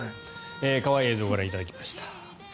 可愛い映像ご覧いただきました。